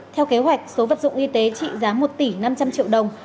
theo kế hoạch số vật dụng y tế trị giá một tỷ năm trăm linh triệu đồng